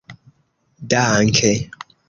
danke